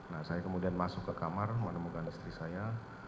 nah saya kemudian masuk ke kamar menemukan istri saya